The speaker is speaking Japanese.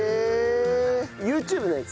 ＹｏｕＴｕｂｅのやつ？